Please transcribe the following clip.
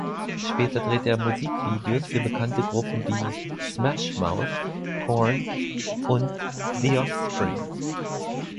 Später drehte er Musikvideos für bekannte Gruppen wie Smash Mouth, Korn und The Offspring.